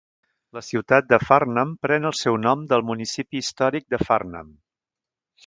La ciutat de Farnham pren el seu nom del municipi històric de Farnham.